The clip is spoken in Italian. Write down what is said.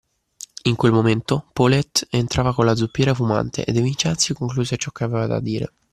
In quel momento Paulette entrava con la zuppiera fumante e De Vincenzi concluse ciò che aveva da dire.